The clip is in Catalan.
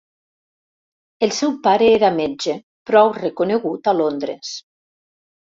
El seu pare era metge, prou reconegut a Londres.